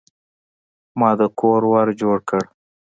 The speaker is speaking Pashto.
ما د کور ور جوړ کړ.